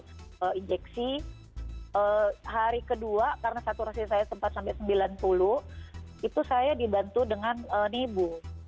jadi saya diakses hari kedua karena saturasi saya empat sampai sembilan puluh itu saya dibantu dengan nebu